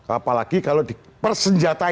apalagi kalau di persenjataan